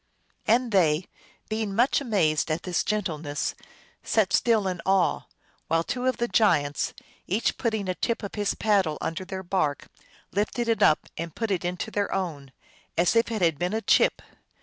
" And they> being much amazed at this gen tleness, sat still in awe, while two of the giants, each putting a tip of his paddle under their bark, lifted it up and put it into their own, as if it had been a chip.